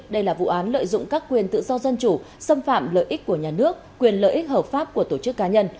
đây là vụ án lợi dụng các quyền tự do dân chủ xâm phạm lợi ích của nhà nước quyền lợi ích hợp pháp của tổ chức cá nhân